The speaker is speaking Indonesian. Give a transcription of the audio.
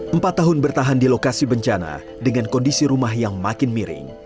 empat tahun bertahan di lokasi bencana dengan kondisi rumah yang makin miring